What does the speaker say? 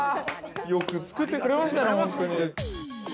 よく作ってくれましたね、本当に。